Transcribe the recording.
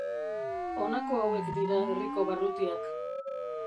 Honako hauek dira herriko barrutiak.